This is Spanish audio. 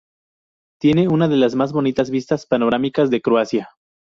Tiene unas de las más bonitas vistas panorámicas de Croacia.